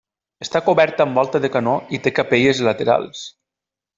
Està coberta amb volta de canó i té capelles laterals.